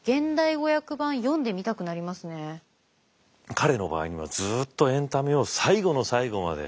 彼の場合にはずっとエンタメを最後の最後まで。